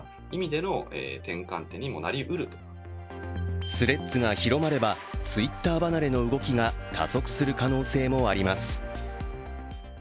Ｔｈｒｅａｄｓが広まればＴｗｉｔｔｅｒ離れの動きが加速する可能性もあります。